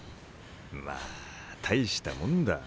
まあ大したもんだ。